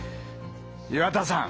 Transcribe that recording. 岩田さん。